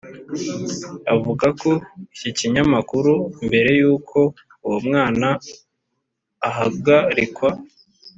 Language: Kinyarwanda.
Avugako ikikinyamakuru mbere y'uko uwo mwana ahagarikwa